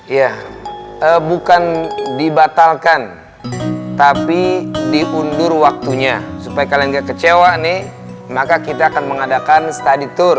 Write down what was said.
ia bukan dibatalkan tapi di undur waktunya sebaik aloka kecewa nih maka kita akan mengadakan staditur